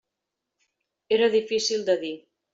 Era difícil de dir.